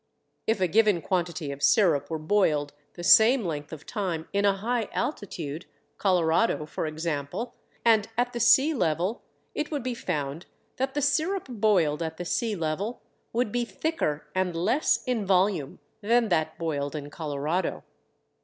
If a given quantity of sirup were boiled the same length of time in a high altitude, Colorado for example, and at the sea level, it would be found that the sirup boiled at the sea level would be thicker and less in volume than that boiled in Colorado.